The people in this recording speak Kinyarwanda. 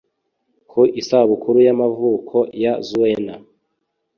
Ku isabukuru y’amavuko ya Zuena